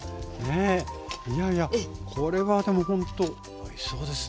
いやいやこれはでもほんとおいしそうですね。